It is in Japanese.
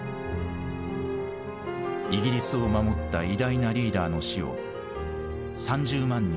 イギリスを守った偉大なリーダーの死を３０万人が見送った。